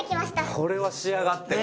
これは仕上がってる。